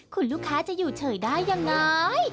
คุณลูกค้าจะอยู่เฉยได้ยังไง